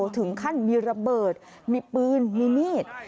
ถึงขั้นมีระเบิดมีปืนมีมีด